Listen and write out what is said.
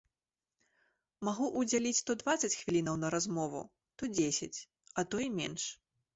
Магу ўдзяліць то дваццаць хвілінаў на размову, то дзесяць, а то і менш.